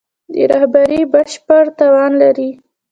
د رهبري بشپړ توان لري.